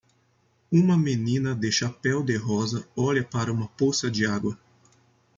Uma menina de chapéu-de-rosa olha para uma poça de água.